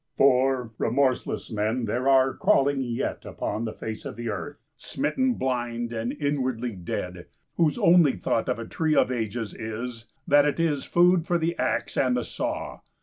For, remorseless men there are crawling yet upon the face of the earth, smitten blind and inwardly dead, whose only thought of a tree of ages is, that it is food for the axe and the saw!